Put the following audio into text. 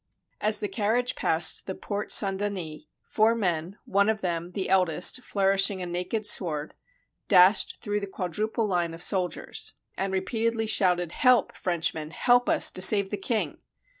As the carriage passed the Port Saint Denis, four men — one of them, the eldest, flourishing a naked sword — dashed through the quadruple line of soldiers, and '311 FRANCE repeatedly shouted: "Help, Frenchmen! Help us to save the king!"